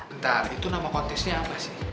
entah itu nama kontesnya apa sih